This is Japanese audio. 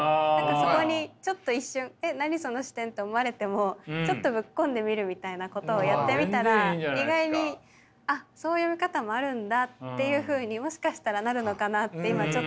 そこにちょっと一瞬「えっ何その視点」と思われてもちょっとぶっ込んでみるみたいなことをやってみたら意外にあっそういう見方もあるんだっていうふうにもしかしたらなるのかなって今ちょっと自信が。